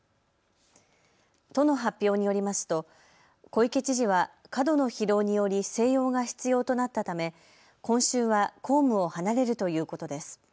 都の発表によりますと小池知事は過度の疲労により静養が必要となったため今週は公務を離れるということです。